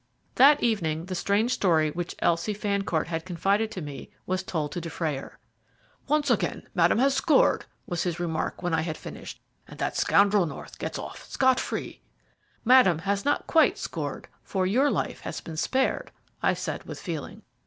That evening the strange story which Elsie Fancourt had confided to me was told to Dufrayer. "Once again Madame has scored," was his remark when I had finished, "and that scoundrel North gets off scot free." "Madame has not quite scored, for your life has been spared," I said, with feeling.